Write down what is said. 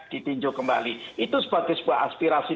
ditinjau kembali itu sebagai sebuah aspirasi